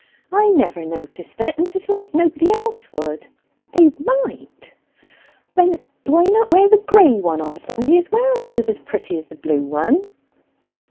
"I never noticed it, and 'tis like nobody else would." "They might." "Then why not wear the gray one on Sunday as well? 'Tis as pretty as the blue one."